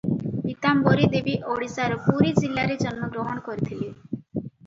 ପୀତାମ୍ବରୀ ଦେବୀ ଓଡ଼ିଶାର ପୁରୀ ଜିଲ୍ଲାରେ ଜନ୍ମଗ୍ରହଣ କରିଥିଲେ ।